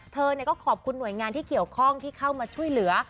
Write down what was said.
เธอก็ขอบคุณหน่วยงานที่เกี่ยวข้องที่เข้ามาช่วยเหลือ